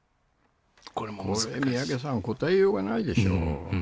これ、三宅さん、答えようがないでしょう。